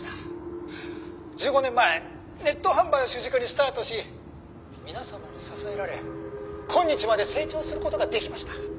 「１５年前ネット販売を主軸にスタートし皆様に支えられ今日まで成長する事ができました」